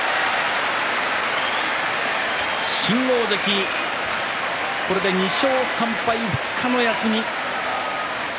新大関、これで２勝３敗２日の休み。